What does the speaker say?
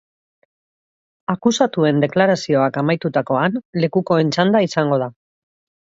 Akusatuen deklarazioak amaitutakoan, lekukoen txanda izango da.